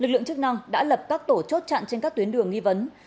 lực lượng chức năng đã lập các tổ chốt chặn trên các tuyến đường nghi vấn